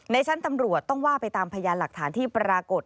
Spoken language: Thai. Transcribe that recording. ชั้นตำรวจต้องว่าไปตามพยานหลักฐานที่ปรากฏ